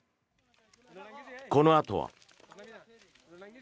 このあとは。